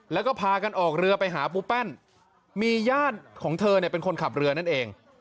แล้วก็พากันออกเรือไปหาปูแป้นมีญาติของเธอเนี่ยเป็นคนขับเรือนั่นเอง